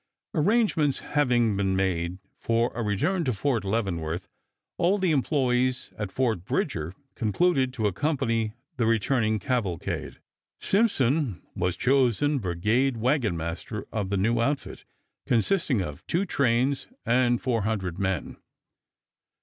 Arrangements having been made for a return to Fort Leavenworth, all the employes at Fort Bridger concluded to accompany the returning cavalcade. Simpson was chosen brigade wagon master of the new outfit, consisting of two trains and 400 men.